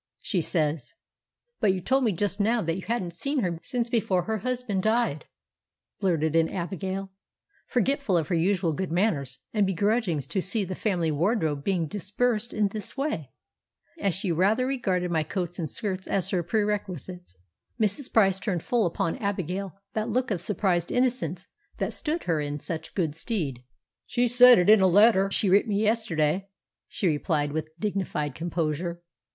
She says——" "But you told me just now that you hadn't seen her since before her husband died," blurted in Abigail, forgetful of her usual good manners, and begrudging to see the family wardrobe being disbursed in this way, as she rather regarded my coats and skirts as her perquisites. Mrs. Price turned full upon Abigail that look of surprised innocence that stood her in such good stead. "She said it in a letter she writ me yesterday," she replied with dignified composure.